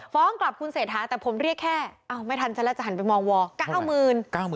ฟ้องกลับคุณเสธาแต่ผมเรียกแค่ไม่ทันฉันแล้วจะหันไปมองวอ๙๐๐๐๐บาท